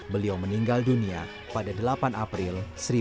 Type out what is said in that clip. beliau meninggal dunia pada delapan april seribu sembilan ratus empat puluh